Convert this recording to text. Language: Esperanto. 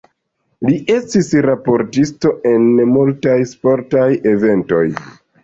Li estis raportisto en multaj sportaj eventoj.